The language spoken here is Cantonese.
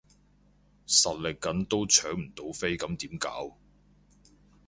實力緊都搶唔到飛咁點搞？